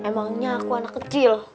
emangnya aku anak kecil